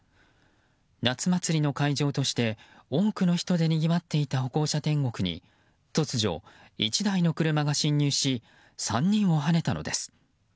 夏祭りの会場として多くの人でにぎわっていた歩行者天国に突如、１台の車が進入し３人をはねたのです。